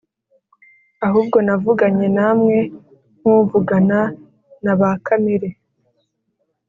ahubwo navuganye na mwe nk'uvugana n'aba kamere,